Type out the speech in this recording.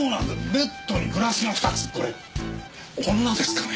ベッドにグラスが２つこれ女ですかね？